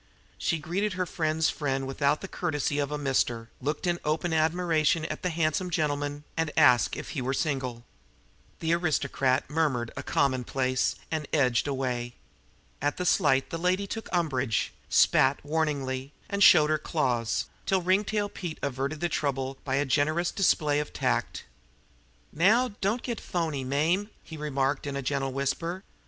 She greeted her friend's friend without the courtesy of a "Mr.," looked in open admiration at the handsome gentleman, and asked if he were single. The aristocrat murmured a commonplace and edged away. At the slight the lady took umbrage, spat warningly, and showed her claws, till Ringtail averted trouble by a generous display of tact. "Now, don't git phony, Mame!" he remarked in a gentle whisper.